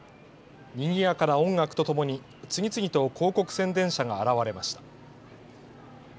にぎやかな音楽とともに次々と広告宣伝車が現れました。